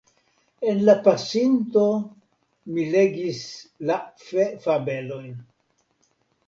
En la pasinto, mi legis la fefabelojn.